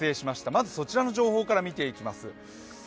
まずそちらの情報から見ていきます。